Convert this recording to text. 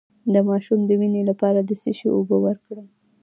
د ماشوم د وینې لپاره د څه شي اوبه ورکړم؟